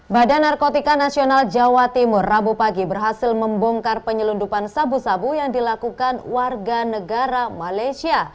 badan narkotika nasional jawa timur rabu pagi berhasil membongkar penyelundupan sabu sabu yang dilakukan warga negara malaysia